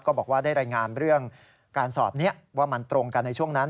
บอกว่าได้รายงานเรื่องการสอบนี้ว่ามันตรงกันในช่วงนั้น